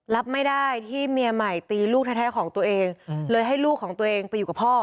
รับไม่ได้ที่เมียใหม่ตีลูกแท้ของตัวเองเลยให้ลูกของตัวเองไปอยู่กับพ่อ